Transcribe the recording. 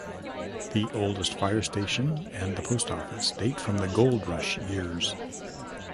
The oldest fire station and the Post Office date from the Gold Rush years.